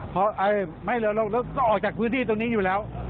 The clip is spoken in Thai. เพราะไม่เหลือเราก็ออกจากพื้นที่ตรงนี้อยู่แล้ว